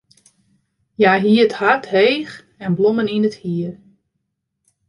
Hja hie it hart heech en blommen yn it hier.